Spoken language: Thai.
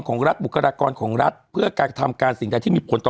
ของรัฐบุคลากรของรัฐเพื่อการกระทำการสิ่งใดที่มีผลต่อ